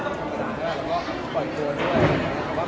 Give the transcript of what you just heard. เห็นแน่นอนครับแน่นอนแต่ว่าจะด้วยวิธีไหน